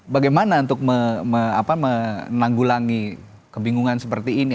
bagaimana untuk menanggulangi kebingungan seperti ini